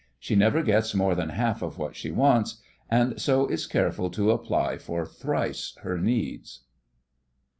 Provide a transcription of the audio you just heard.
She never gets more than half what she wants, and so is careful to apply for thrice her needs.